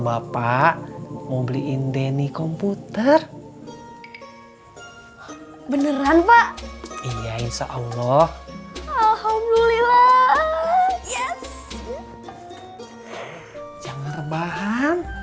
bapak mau beliin denny komputer beneran pak iya insyaallah alhamdulillah yes jangan rebahan